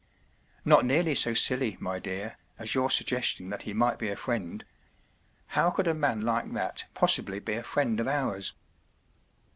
“ Not nearly so silly, my dear, as your suggestion that he might be a friend. How could a man like that possibly be a friend of ours